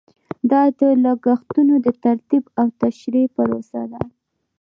دا د لګښتونو د ترتیب او تشریح پروسه ده.